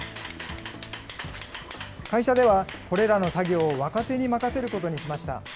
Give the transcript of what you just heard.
会社ではこれらの作業を若手に任せることにしました。